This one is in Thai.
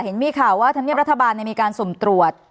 เห็นมีข่าวว่าธรรมเนียบรัฐบาลมีการสุ่มตรวจ